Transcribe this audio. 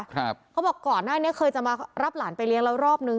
เขาบอกก่อนหน้านี้เคยจะมารับหลานไปเลี้ยงแล้วรอบนึง